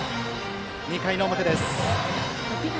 ２回の表です。